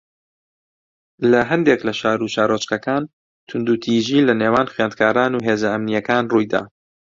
لە ھەندێک لە شار و شارۆچکەکان توندوتیژی لەنێوان خوێندکاران و هێزە ئەمنییەکان ڕووی دا